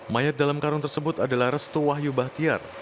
mayat dalam karung tersebut adalah restu wahyu bahtiar